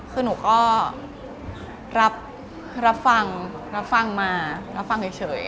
คือหนูก็รับฟังรับฟังมารับฟังเฉย